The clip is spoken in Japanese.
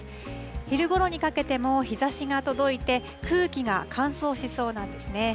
昼ごろにかけても、日ざしが届いて、空気が乾燥しそうなんですね。